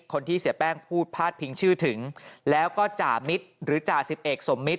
คนที่เสียแป้งพูดพาดพิงชื่อถึงแล้วก็จ่ามิตรหรือจ่าสิบเอกสมมิตร